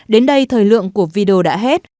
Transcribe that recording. đến đây thời lượng của video đã hết